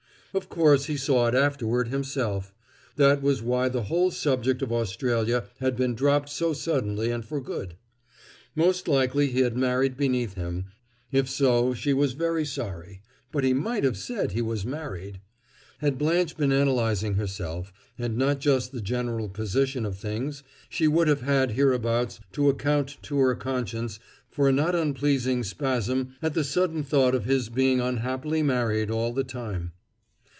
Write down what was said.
Of course he saw it afterward, himself; that was why the whole subject of Australia had been dropped so suddenly and for good. Most likely he had married beneath him; if so, she was very sorry, but he might have said that he was married. Had Blanche been analyzing herself, and not just the general position of things, she would have had hereabouts to account to her conscience for a not unpleasing spasm at the sudden thought of his being unhappily married all the time.